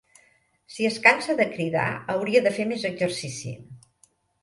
Si es cansa de cridar hauria de fer més exercici.